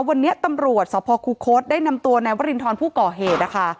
วันนี้ตำรวจสพคุคศได้นำตัวนายวรินทรผู้ก่อเหตุนะคะ